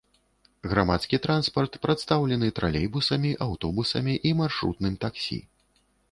Грамадскі транспарт прадстаўлены тралейбусамі, аўтобусамі і маршрутным таксі.